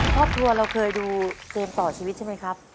ครอบครัวเราเคยดูเกมต่อชีวิตใช่ไหมครับ